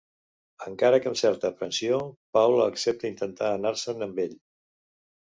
Encara que amb certa aprensió, Paula accepta intentar anar-se'n amb ell.